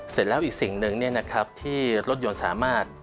เสร็จแล้วอีกสิ่งหนึ่งที่รถยนต์สามารถ